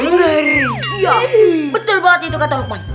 iya betul banget itu kata hukman